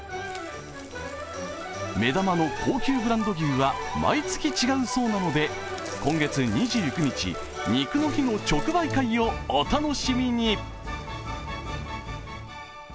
目玉の高級ブランド牛は毎月違うそうなので、今月２９日、ニクの日の直売会をお楽しみに！